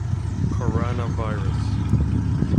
coranavirus